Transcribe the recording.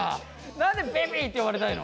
なんでベビーって呼ばれたいの？